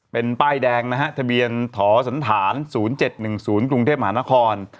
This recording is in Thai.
เป็นป้ายแดงทะเบียนถศ๐๗๑๐กรุงเทพฯหานคร